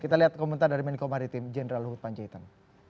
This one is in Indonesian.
kita lihat komentar dari menko maritim jenderal luhut panjaitan